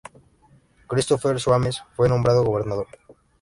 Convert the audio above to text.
Christopher Soames fue nombrado gobernador.